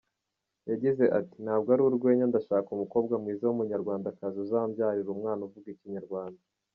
Yagize ati “Ntabwo ari urwenya, ndashaka umukobwa mwiza w’Umunyarwandakazi uzambyarira umwana uvuga Ikinyarwanda.